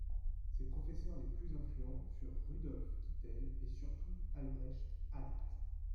Ses professeurs les plus influents furent Rudolf Kittel et surtout Albrecht Alt.